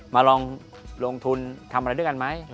มาลองลงทุนทำอะไรด้วยกันไหม